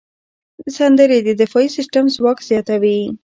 سندرې د دفاعي سیستم ځواک زیاتوي.